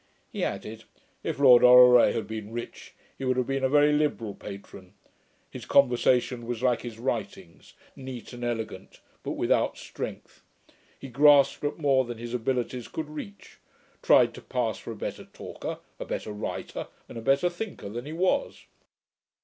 He added, 'If Lord Orrery had been rich, he would have been a very liberal patron. His conversation was like his writings, neat and elegant, but without strength. He grasped at more than his abilities could reach; tried to pass for a better talker, a better writer, and a better thinker than he was.